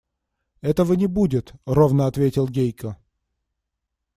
– Этого не будет, – ровно ответил Гейка.